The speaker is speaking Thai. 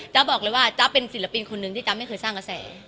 บอกเลยว่าจ๊ะเป็นศิลปินคนหนึ่งที่จ๊ะไม่เคยสร้างกระแส